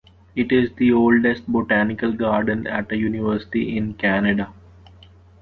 It is the oldest botanical garden at a university in Canada.